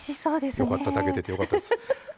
よかった炊けててよかったです。